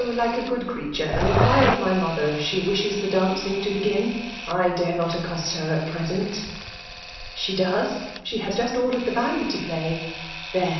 Use a geod fireatun, and inquire of my mothier if she mfcea the dancnig io begnn. / daue wot aooost her at preeeort." ^ She does. She has jftuA ordered the band to pky. There